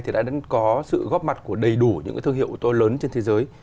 thì đã có sự góp mặt của đầy đủ những thương hiệu ô tô lớn trên thế giới